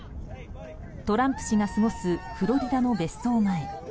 トランプ氏が過ごすフロリダの別荘前。